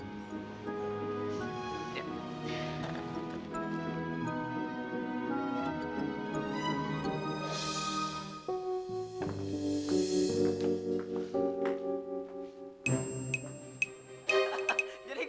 loh udah sekarang kita pergi yuk